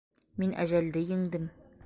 Мин әжәлде еңдем!